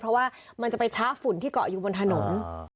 เพราะว่ามันจะไปช้าฝุ่นที่เกาะอยู่บนถนน